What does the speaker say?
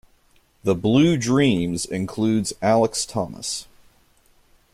"The Blue Dreams" includes Alex Thomas.